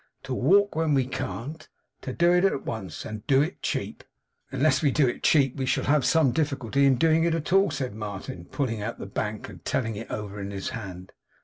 To walk when we can't. To do it at once, and do it cheap.' 'Unless we do it cheap, we shall have some difficulty in doing it at all,' said Martin, pulling out the bank, and telling it over in his hand.